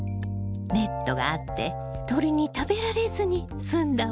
ネットがあって鳥に食べられずにすんだわね。